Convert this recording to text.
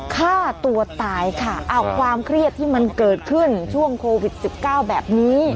ฆ่าตัวตายค่ะอ้าวความเครียดที่มันเกิดขึ้นช่วงโควิด๑๙แบบนี้